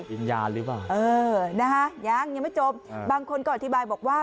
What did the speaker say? วิญญาณหรือเปล่าเออนะฮะยังยังไม่จบบางคนก็อธิบายบอกว่า